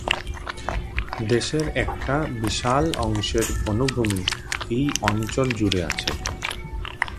দেশের একটা বিশাল অংশের বনভূমি এই অঞ্চল জুড়ে আছে।